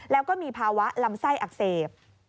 แล้วก็มีภาวะลำไส้อักเสบ